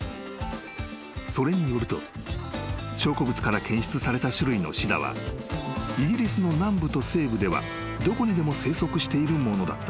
［それによると証拠物から検出された種類のシダはイギリスの南部と西部ではどこにでも生息しているものだった］